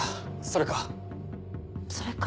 それか？